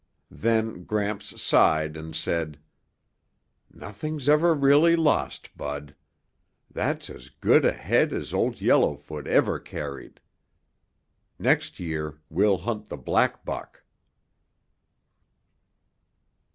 Then Gramps sighed and said, "Nothing's ever really lost, Bud. That's as good a head as Old Yellowfoot ever carried. Next year we'll hunt the black buck."